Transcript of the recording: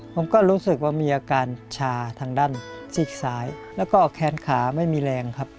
ผมก็รู้สึกว่ามีอาการชาทางด้านซีกซ้ายแล้วก็แขนขาไม่มีแรงครับ